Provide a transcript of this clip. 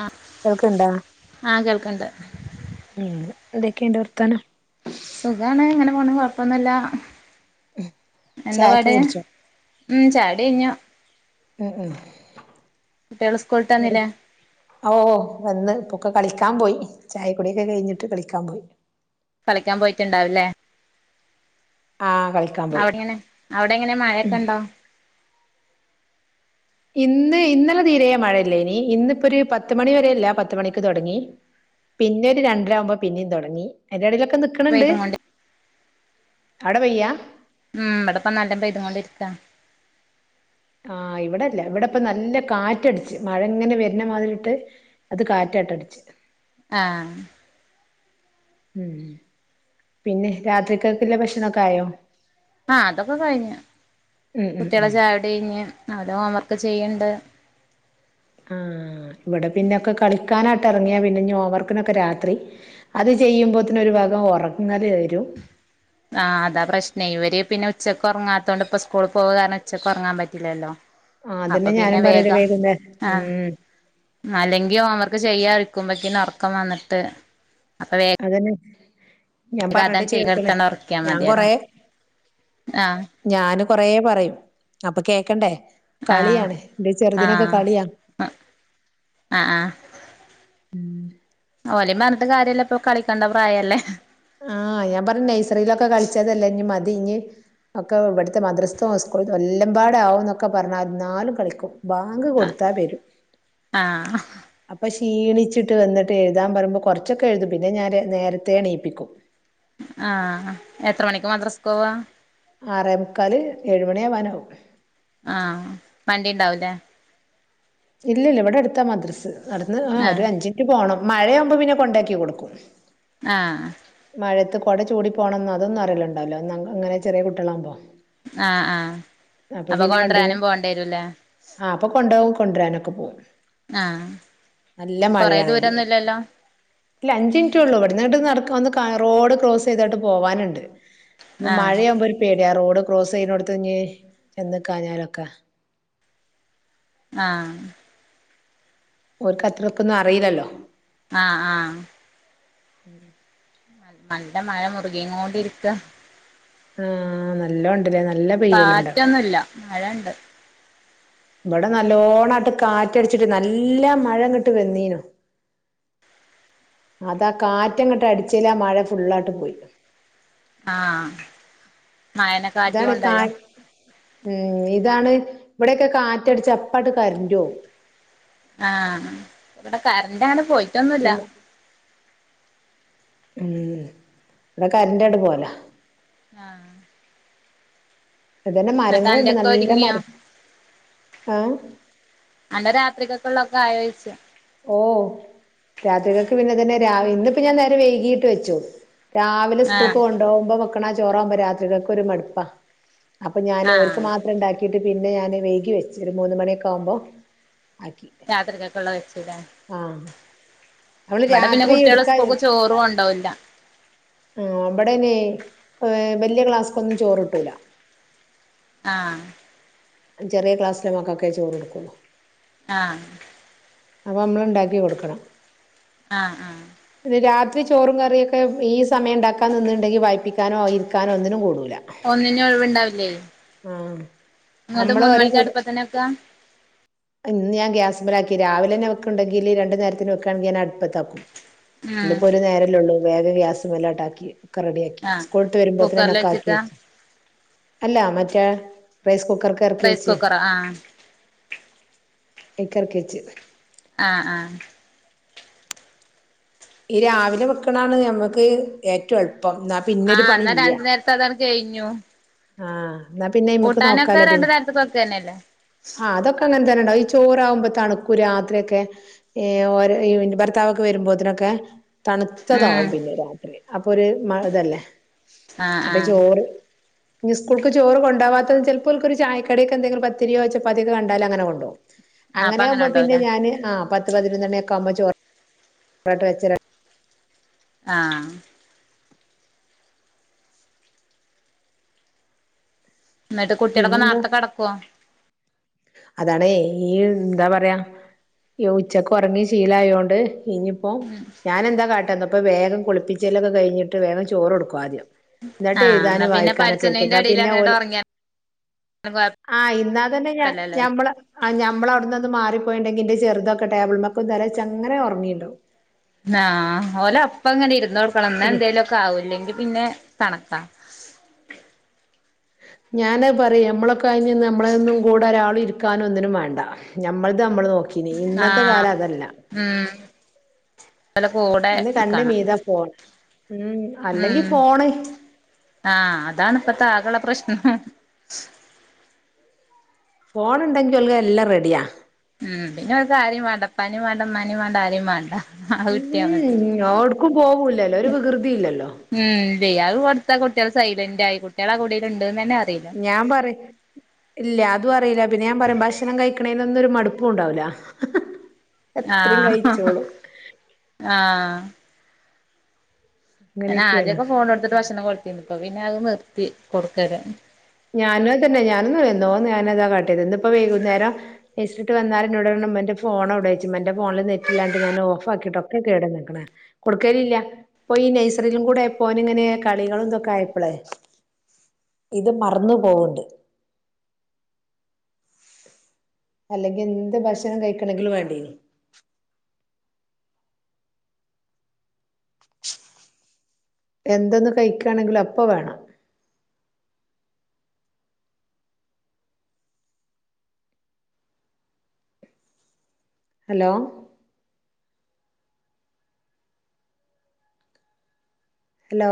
ആഹ് കേക്ക്ണ്ട ആഹ് കേൾക്കണ്ട് ഹ്മ്മ് എന്തൊക്കെണ്ട് വർത്താനം സുഖാണ് ഇങ്ങനെ പോണ് കൊഴപ്പൊന്നുല്ല എന്താ ചായൊക്കെ പാട് കുടിച്ചോ ഉം ചായകുടി കഴിഞ്ഞോ ഉം ഉം കുട്ട്യോള് സ്കൂൾട്ട് വന്നില്ലേ ഓ ഓ വന്ന് ഇപ്പൊക്കെ കളിക്കാ പോയി ചായകുടിയൊക്കെ കഴിഞ്ഞിട്ട് കളിക്കാൻ പോയി കളിക്കാൻ പോയിട്ട്ണ്ടാവില്ലേ ആഹ് കളിക്കാൻ പോയി അവിടെങ്ങനെ അവിടെങ്ങനെ മഴയൊക്കെ ഇണ്ടോ ഇന്ന് ഇന്നലെ തീരെ മഴയില്ലേയ്ന്നി ഇന്ന്പ്പൊ ഒരു പത്ത്‌ മണി വരെല്ലാ പത്ത്‌ മണിക്ക് തെടങ്ങി പിന്നെ ഒരു രണ്ടരവുമ്പോ പിന്നിം തുടങ്ങി അയ്ന്റെ ഇടയിലൊക്കെ നിക്ക് ക്ക്ണ് ണ്ട് പെയ്തും കൊണ്ട് അവിട പെയ്യ ആഹ് ഇവിടപ്പം നല്ലം പെയ്ത്കൊണ്ടിരിക്കാ ആഹ് ഇവിടെല്ല ഇവിടെപ്പ നല്ല കാറ്റടിച്ച് മഴ ഇങ്ങനെ വര്ണമാതിരിട്ട് അത് കാറ്റ്ട്ടടിച്ച് ആഹ് ഉം പിന്നെ രാത്രികൽക്ക്ല്ല ഭക്ഷണൊക്കെ ആയോ ആഹ് അതൊക്കെ കഴിഞ്ഞ് ഉം ഉം കുട്ട്യാളെ ഉം ചായ കുടി കയ്ഞ്ഞ് അവരുടെ ഹോം വർക്ക് ചെയ്യ്ണ്ട് ആഹ് ഇവടെ പിന്നൊക്കെ കളിക്കാനാട്ട് ഇറങ്ങിയാ പിന്നെ ഞ്ഞി ഹോം വർക്കിനൊക്കെ രാത്രി അത് ചെയ്യുമ്പോത്തന് ഒരു ഭാഗം ഉറങ്ങല് വരും ആഹ് അതാ പ്രശ്ന ഇവര് പിന്നെ ഉച്ചയ്ക്ക് ഉറങ്ങാത്തതണ്ട് ഇപ്പ സ്കൂൾ പോവു കാരണം ഉച്ചക്ക് ഉറങ്ങാൻ പറ്റില്ലല്ലോ ആഹ് അപ്പൊ അതന്നെ പിന്നെ ഞാനും പറയല് വേഗം വൈകുന്നേ ആഹ് ഉം അല്ലെങ്കിൽ ഹോംവർക്ക് ചെയ്യാ ഇരി ക്കുമ്പക്ക ഉറക്കം വന്നിട്ട് അപ്പൊവേ അതന്നെ ഞാൻ പറഞ്ഞിട്ട് കേൾക്കണ എടുത്തണ്ട് ഉറക്കിയാ ഞാൻ മതിയല്ലോ കൊറെ ആഹ് ഞാന് കൊറെ പറയും അപ്പൊ കേക്കണ്ടേ കളിയാണ് എന്റെ ചെറുതിനൊക്കെ കളിയാണ് അഹ് ആഹ് ആഹ് ഓലീം പറഞ്ഞ് ട്ട് കാര്യമല്ല ഇപ്പോ കളിക്കണ്ട പ്രായല്ലേ ആഹ് ഞാൻ പറഞ്ഞയും നഴ്സറിയിലൊക്കെ കളിച്ചതല്ലേ ഇനി മതി ഇനി ഒക്കെ ഇവിടുത്തെ മദ്രസ്ഥവും സ്കൂള എല്ലാം പാട ആവും എന്നൊക്കെ പറഞ്ഞിരുന്നാലും കളിക്കും ബാങ്ക് കൊടുത്താ വരും ആഹ് അപ്പൊ ക്ഷീണിച്ചട്ട് വന്നിട്ട് എഴുതാൻ പറയ്പോ കുറച്ചൊക്കെ എഴുതും പിന്നെ ഞാൻ നേരത്തെ എണീയിപ്പിക്കും ആഹ് എത്ര മണിക്ക് മദ്രാസക്ക് പോവാ ആറേ മുക്കാൽ ഏഴുമണി ആവാനാവും ആഹ് വണ്ടി ഉണ്ടാവു ലേ ഇല്ല ഇല്ല ഇവിടെ അടുത്താ മദ്രസ് നടന്ന് ആ ഒരു ആഹ് അഞ്ചിനിറ്റ് പോകണം മഴയാവുമ്പോ പിന്നെ കൊണ്ടാക്കി കൊടുക്കും ആഹ് മഴത്ത് കൂട ചൂടി പോകണന്ന് അതൊന്നും അറിയില്ലണ്ടാവല്ലോ ഇങ്ങനെ ചെറിയ കുട്ടികളാകുമ്പോ ആഹ് ആഹ് അപ്പൊ കൊണ്ടരാനും പോകേണ്ടി വരൂല്ലേ ആഹ് അപ്പൊ കൊണ്ടോവും കൊണ്ടുവരാനൊക്കെ പോകും ആഹ് നല്ല കൊറെ മഴയാണെങ്കില് ദൂരൊന്നുല്ലല്ലോ ഇല്ല അഞ്ച് മിനിറ്റ് ഉള്ളു ഇവിടുന്നട്ട് നട വന്ന് റോഡ് ക്രോസ് ചെയ്തായിട്ട് പോവാനുണ്ട് ഇപ്പ ആഹ് മഴയാവുമ്പോ ഒരു പേടിയ റോഡ് ക്രോസ് ചെയ്യുന്നോടുത്ത് ഇഞ്ഞ് ചെന്ന് ക്കാഞ്ഞാലൊക്കെ ആഹ് ഓക്ക് അത്രക്കൊന്നും അറിയില്ലല്ലോ ആഹ് ആഹ് നല്ല മഴ മുറുകീം കൊണ്ടിരിക്ക മ് അങ്ങനെ ല്ലോം ഉണ്ടല്ലേ നല് കാറ്റൊന്നുല്ല മഴയുണ്ട് ഇവിടെ നല്ലോണയിട്ട് കാറ്റടിച്ചിട്ട് നല്ല മഴ ഇങ്ങിട്ട് വെന്നേനു അതാ കാറ്റങ്ങട്ട് അടിച്ചേല് ആ മഴ ഫുള്ളായിട്ട് പോയി ആഹ് മഴനെ കാറ്റ് ഇതാണ് കാ കൊണ്ടോയോ ഉം ഇതാണ് ഇവിയൊടൊക്കെ കാറ്റടിച്ച അപ്പാട്ട് കറന്റ് പോവും ആഹ് ഇവിടെ കറന്റങ്ങനെ ഈ പോയിട്ടൊന്നുല്ല മ ഉം ഇവിടെ കറ്ന്റെ അടെ പോവല ആഹ് അതന്നെ എന്നിട്ട് മരങ്ങളുണ്ട് അന്റെക്കെ നല്ല ഒരുങ്ങിയോ മരങ്ങ ആഹ് അല്ല രാത്രികൊക്കള്ളൊക്കെ ആയോച്ചയ ഓ രാത്രികൾക്ക് പിന്നെ തന്നെ രാ ഇന്നിപ്പോ ഞാൻ നേരം വൈകീട്ട് വെച്ചോള് രാവിലെ ആഹ് സ്കൂൾക്ക് കൊണ്ടുപോകുമ്പോ വെക്കണ ചോറാവുമ്പോ രാത്രിക്കൊക്കെ ഒരു മടുപ്പാ അപ്പൊ ഞാനോർക്ക് ആഹ് മാത്രം ഉണ്ടാക്കി വീട്ടി പിന്നെ ഞാന് വൈകി വെച്ച് ഒരു മൂന്ന് മണിയൊക്കെ ആവുമ്പോൾ ആക്കി രാത്രിക്കൊക്കെള്ള വെച്ചിടാൻ ആഹ് നമ്മള് ഇവിടെ പിന്നെ രാത്രി കുട്ടികൾ എടുക്കാ സ്കൂളിൽപ്പോ ചോറു കൊണ്ട് പോകില്ല ആഹ് ഉം അവിടനെ ഏ വലിയ ക്ലാസ്സ്ക്കൊന്നും ചോറിട്ടൂല ആഹ് ചെറിയ ക്ലാസ്സില മക്കക്കെ ചോറ്ടുക്കുള്ളൂ ആഹ് അതമ്മള് ഉണ്ടാക്കി കൊടുക്കണം ആഹ് ആഹ് പിന്നെ രാത്രി ചോറും കറിയൊക്കെ ഈ സമയം ഉണ്ടാക്കാൻ നിന്നുണ്ടെങ്കി വായിപ്പിക്കാനോ എഴുതിക്കാനോ ഒന്നിനും കൂടൂല്ല ഒന്നിനും ഒഴിവുണ്ടാവില്ലേ ആഹ് ഇങ്ങട്ട് നമ്മള് മൂന്ന് അവരെ മണിക്ക് കൂടെ അടുപ്പത്തന്നെ വെക്കാ ഇന്ന്ഞൻ ഗ്യാസ് മേലാക്കി രാവിലെ ഞവുക്കുണ്ടെങ്കില് രണ്ട് നേരത്തിന് വെുക്കുവാണെങ്കില് ഞാൻ അടുപ്പത്താക്കും ഉം ഇന്നിപ്പോ ഒരു നേരല്ല ഉള്ളൂ വേഗ ഗ്യാസ്മേലാട്ടാക്കി ഒക്ക റെഡിയാക്കി ആഹ് സ്കൂൾ വിട്ട് വരുമ്പോത്തനെ കുക്കറിൽ ഒക്കെ വെച്ചിട്ടാ ആക്കിവെച്ചു അല്ല മറ്റേ റൈസ് കുക്കർക്ക് ആക്കി റൈസ് വെച്ച് കുക്കറോ ആഹ് അയ്ക്കെറക്കിവെച്ച് ആഹ് ആഹ് ഈ രാവിലെ വെക്കണാണ് ഞമ്മക്ക് ഏറ്റവും എളുപ്പം പിന്നൊരു ആഹ് എന്നാ രണ്ടു നേരത്തെ അതാണക്ക്‌ കഴിഞ്ഞു ആഹ എന്നാ പിന്നെ ഇമ്മക്ക് കൂട്ടാനൊക്കെ നോക്കാലോ രണ്ടു പിന്നെ നേരത്ത്ക്ക് വെക്കന്നെല്ലേ ആഹ്തൊക്കെ അങ്ങനെ തന്നെ ഉണ്ടാവ ഈ ചോറാവുമ്പോ തണുക്കൂ രാത്രിയൊക്കെ ഏർ ഓര് ഈ ഭർത്താവൊക്കെ വരുമ്പോത്തിനൊക്കെ ഉം തണുത്തതാവും പിന്നെ രാത്രി അപ്പൊ ഒരു മ ഇതല്ലേ ആഹ് അപ്പൊ ആഹ് ചോറ് ഇനി സ്കൂൾക്ക് ചോറ് കൊണ്ടാവാത്ത ചിലപ്പോൾക്കൊരു ചായക്കടിക്കെന്തെങ്കിലും പത്തിരിയോ ചപ്പാത്തിയൊക്കെ കണ്ടാലങ്ങനെ കൊണ്ട്പോവും ആ അപ്പൊ അങ്ങനെ ആവുമ്പോ പിന്നെ ഉണ്ടാവൂലേ ഞാനെ ആ പത്ത് പതിനൊന്നെണ്ണിയൊക്കെ ആവുമ്പോ ചോറായിട്ട് വെച്ച് ആഹ് എന്നിട്ട് കുട്ടികളൊക്കെ പിന്നെന്താ നേരത്തെ കെടക്കുവോ അതാണേ ഈ എന്താ പറയാ ഉച്ചക്ക് ഒറങ്ങി ശീലം അയോണ്ട് ഇനിയിപ്പോ ഉംഹ് ഞാനെന്താ കാട്ടന്നപ്പ വേഗം കുളിപ്പിച്ചലൊക്കെ കഴിഞ്ഞിട്ട് വേഗം ചോറ് കൊടുക്കുംആദ്യം എന്നിട്ട് ആഹ് എന്നാ എഴുതാനും പിന്നെ വായിക്കാനൊക്കെ പഠിച്ചണീന്റെ എഴക്കുന്ന എടേല് പിന്നെ അങ്ങട് ഓല് ഒറങ്ങിയാലും ആഹ് ഇന്നാ തന്നെ ഞാ കൊഴപ്പല്ലല്ലോ ഞാൻ നമ്മള് ഞമ്മള് അവിടുന്ന് ഒന്ന് മാറിപ്പോയി ഉണ്ടെങ്കി എന്റെചെറുതാ ടേബിൾ മൊക്ക തല വെച്ച് അങ്ങനെ ഒറങ്ങി ഉണ്ടാവും ആഹ് ഓലെ അപ്പെ അങ്ങനെ ഇരുന്ന് കൊടുക്കണം എന്നാ എന്തേലും ഒക്കെ ആവൂയില്ലെങ്കി പിന്നെ കണക്കാ ഞാന് അത് പറയും നമ്മളൊക്കെ കഴിഞ്ഞ് നിന്ന് നമ്മളെന്നും കൂടെ ഒരാളും ഇരി ക്കാന ഒന്നിനും വാണ്ട നമ്മൾത് നമ്മള് നോക്കീനി ഇന്നത്തെ കാല അതല്ല ഉംഹ് അല്ല ഫോണ് ഇന്ന് രണ്ട് മീരാ ഫോൺ ഉംഹ് ഉംഹ് ആഹ് അതാണ് ഇപ്പെത്തെ ആക കയുള്ള പ്രശ്നം ഫോൺ ഉണ്ടെങ്കി ഉള്ളയെല്ലാം റെഡിയാ ഉംഹ് പിന്നെ അവർക്ക് ആരെയും വാണ്ട ഉപ്പാനെ വാണ്ട ഉമ്മാനേ വാണ്ട ആരേ വാണ്ട ഉംഹ് ഓടുക്കും പോവൂല്ലല്ലോ ഒരു വികൃതി ഇല്ലല്ലോ ഉംഹ് ദയാഹു കൊടുത്ത കുട്ടികൾ സൈലന്റ് ആയി കുട്ടികൾ ആ കൂടിയിൽ ഉണ്ടെന്ന് തന്നെ അറിയില്ല ഞാൻ പറയും ഇല്ല അതു അറിയില്ല പിന്നെ ഞാൻ പറയും ഭക്ഷണം കഴിക്കണേ ഇന്നൊരു മടുപ്പും ഉണ്ടാവൂലാ ആഹ് ആഹ് ഞാൻ അങ്ങനെയൊക്കെയാണ് ആദ്യയെക്കെ ഫോൺ എടുത്തിട്ട് ഭക്ഷണം കൊളത്തിന്ന് ഇപ്പൊ പിന്നെ അത് നിർത്തി കൊടുക്കര ഞാനു അത് തന്നെ ഞാനെയെന്നോ ഞാനതാ കാട്ടിയത് ഇന്നിപ്പെ വൈകുന്നേരം എസിട്ട് വന്നാല് എന്നോട് എന്റെ ഫോൺ അവിടെ വച്ചും എന്റെ ഫോണിലെ നെറ്റില്ലാണ്ട് ഞാൻ ഓഫ് ആക്കിയിട്ട് ഒക്കെ കേട് തീർക്കണെ കൊടുക്കലില്ല ഇപ്പൊ ഈ നൈസറിയിലും കൂടെ ആയപ്പോ ഓൻ ഇങ്ങനെ കളികളും എന്തൊക്കെ ആയപ്പളെ ഇത് മറന്നു പോവ്ണ്ട് അല്ലെങ്കി എന്ത് ഭക്ഷണം കഴിക്കണമെങ്കിലും വേണ്ടെ എന്തെന്ന് കഴിക്കുകയാണെങ്കും അപ്പെ വേണം ഹലോ ഹലോ